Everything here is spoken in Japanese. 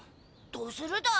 どうするだ？